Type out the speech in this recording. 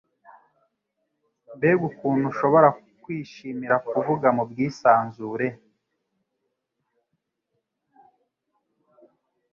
mbega ukuntu ushobora kwishimira kuvuga mu bwisanzure